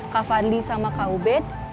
kak fadli sama kak ubed